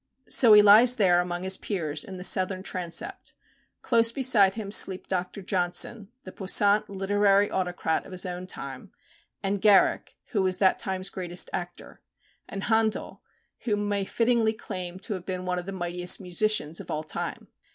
So he lies there among his peers in the Southern Transept. Close beside him sleep Dr. Johnson, the puissant literary autocrat of his own time; and Garrick, who was that time's greatest actor; and Handel, who may fittingly claim to have been one of the mightiest musicians of all time.